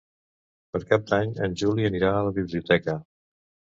Per Cap d'Any en Juli anirà a la biblioteca.